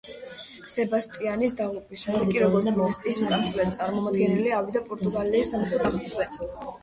სებასტიანის დაღუპვის შემდეგ კი, როგორც დინასტიის უკანასკნელი წარმომადგენელი ავიდა პორტუგალიის სამეფო ტახტზე.